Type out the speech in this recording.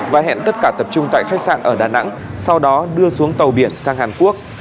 và hẹn tất cả tập trung tại khách sạn ở đà nẵng sau đó đưa xuống tàu biển sang hàn quốc